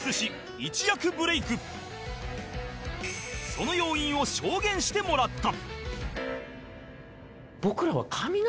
その要因を証言してもらった